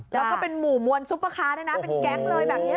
แล้วก็เป็นหมู่มวลซุปเปอร์คาร์ด้วยนะเป็นแก๊งเลยแบบนี้